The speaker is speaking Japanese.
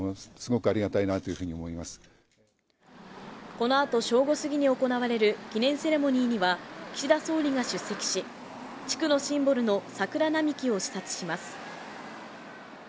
このあと正午過ぎに行われる記念セレモニーには、岸田総理が出席し、地区のシンボルの桜並木を視察します。